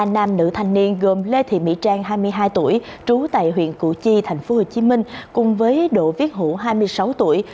ba nam nữ thanh niên gồm lê thị mỹ trang hai mươi hai tuổi trú tại huyện củ chi tp hcm cùng với độ viết hữu hai mươi sáu tuổi